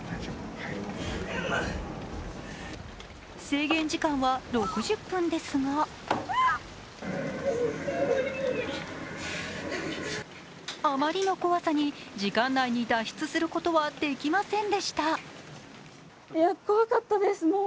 制限時間は６０分ですがあまりの怖さに時間内に脱出することはできませんでした。